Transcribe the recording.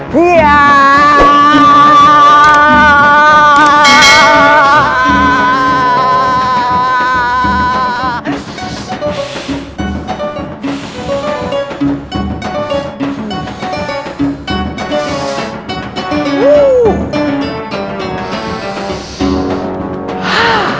saatnya menerima pembalasanku